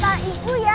pak iu ya